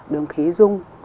đường khí dung